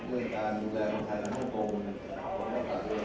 เรื่องการดูแลคนไทยในห้องกง